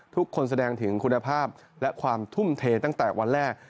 แสดงถึงคุณภาพและความทุ่มเทตั้งแต่วันแรก